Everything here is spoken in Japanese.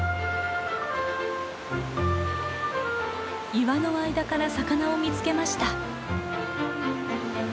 岩の間から魚を見つけました。